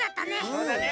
そうだね！